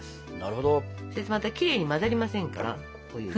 それときれいに混ざりませんから。